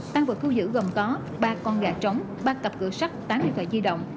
tăng vật thu giữ gồm có ba con gà trống ba cặp cửa sắt tám điện thoại di động